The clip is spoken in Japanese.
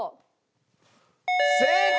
正解！